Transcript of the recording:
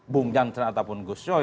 bung jansen ataupun gus coy